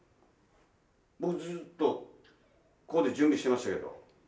僕ずっとここで準備してましたけど。